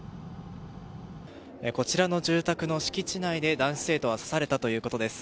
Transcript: こちらの住宅の敷地内で男子生徒は刺されたということです。